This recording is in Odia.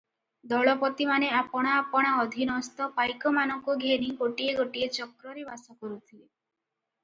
ଦଳପତିମାନେ ଆପଣା ଆପଣା ଅଧିନସ୍ଥ ପାଇକମାନଙ୍କୁ ଘେନି ଗୋଟିଏ ଗୋଟିଏ ଚକ୍ରରେ ବାସ କରୁଥିଲେ ।